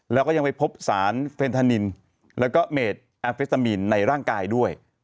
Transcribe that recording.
แล้วก็ยังไปพบสารเฟนทานินแล้วก็เมดแอมเฟตามีนในร่างกายด้วย